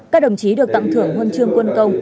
các đồng chí được tặng thưởng huân chương quân công